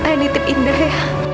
eh nitip indah ya